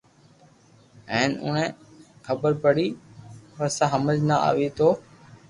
ھين اوني خبر پڙئي ئسآ ھمج نہ آوئ تو